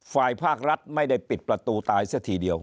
ฝ่ายภาครัฐไม่ได้ปิดประตูตายซะทีเดียว